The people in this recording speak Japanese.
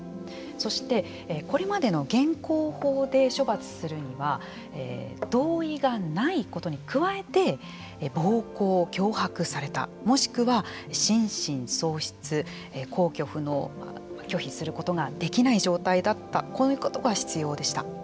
そして、これまでの現行法で処罰するには同意がないことに加えて暴行・脅迫されたもしくは心神喪失・抗拒不能拒否することができない状態だったこういうことが必要でした。